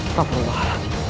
tak perlu lagi